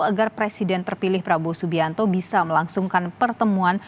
agar presiden terpilih prabowo subianto bisa melangsungkan pertemuan